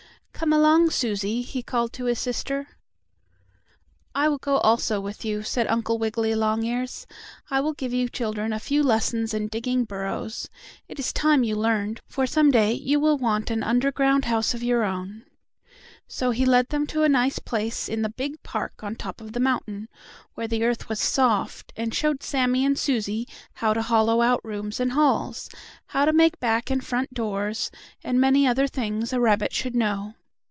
"Come along, Susie," he called to his sister. "I will also go with you," said Uncle Wiggily Longears. "I will give you children a few lessons in digging burrows. It is time you learned, for some day you will want an underground house of your own." So he led them to a nice place in the big park on top of the mountain, where the earth was soft, and showed Sammie and Susie how to hollow out rooms and halls, how to make back and front doors, and many other things a rabbit should know.